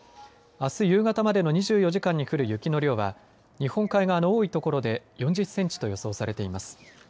あす夕方までの２４時間に降る雪の量は日本海側の多い所で４０センチと予想されています。